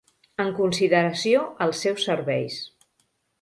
En consideració als seus serveis.